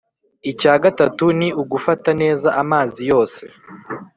Icya gatatu ni ugufata neza amazi yose